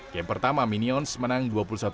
game pertama minions menang dua puluh satu tiga belas